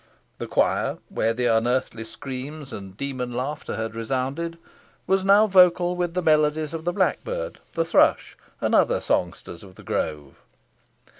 The choir, where the unearthly scream and the demon laughter had resounded, was now vocal with the melodies of the blackbird, the thrush, and other songsters of the grove.